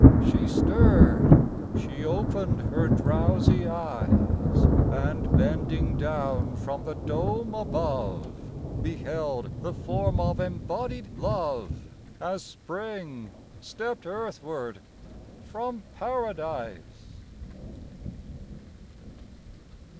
She stirred, she opened her drowsy eyes, And bending down from the dome above, Beheld the form of embodied Love, As Spring stepped Earthward from Paradise.